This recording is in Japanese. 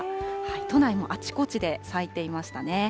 都内のあちこちで咲いていましたね。